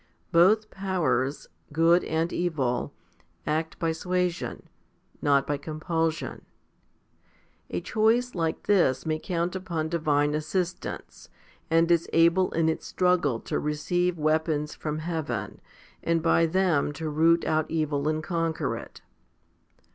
Both powers, good and evil, act by suasion, not by compulsion. A choice like this may count upon divine assistance, and is able in its struggle to receive weapons from heaven, and by them to root out evil and conquer it.